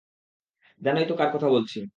জানোই তো কার কথা বলছি।